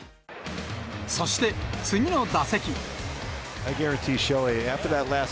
そして、次の打席。